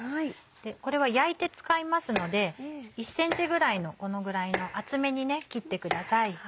これは焼いて使いますので１ｃｍぐらいのこのぐらいの厚めに切ってください。